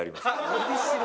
伸びしろ？